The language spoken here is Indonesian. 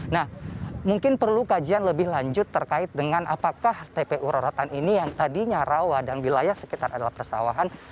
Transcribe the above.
nah mungkin perlu kajian lebih lanjut terkait dengan apakah tpu rorotan ini yang tadinya rawa dan wilayah sekitar adalah persawahan